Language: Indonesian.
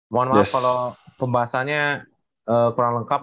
mohon maaf kalau pembahasannya kurang lengkap